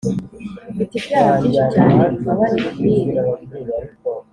Mfite ibyaha byinshi cyane umbabarire umpire